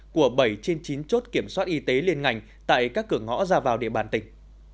của bảy trên chín chốt kiểm soát y tế liên ngành tại các cửa ngõ ra vào địa bàn tỉnh